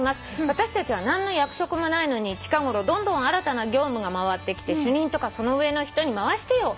私たちは何の役職もないのに近頃どんどん新たな業務が回ってきて『主任とかその上の人に回してよ』